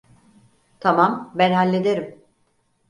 Tamam, ben hallederim.